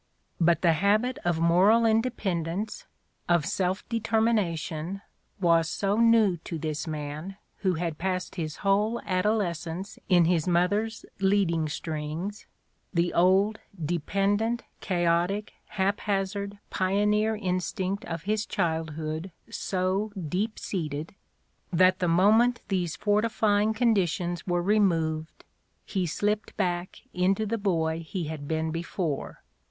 But the habit of moral independ ence, of self determination, was so new to this man who had passed his whole adolescence in his mother's leading strings, the old, dependent, chaotic, haphazard pioneer instinct of his childhood so deep seated, that the mo ment these fortifying conditions were removed he slipped back into the boy he had been before.